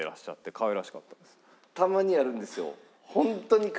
たまにあるんですよ。